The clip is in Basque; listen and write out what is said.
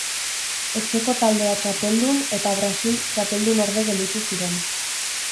Etxeko taldea txapeldun eta Brasil txapeldunorde gelditu ziren.